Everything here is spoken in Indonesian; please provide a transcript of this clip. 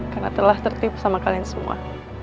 karena telah tertipu sama kalian semua